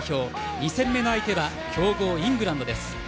２戦目の相手は強豪、イングランドです。